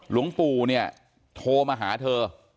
หลวงปู่เนี่ยโทรมาหาเธอ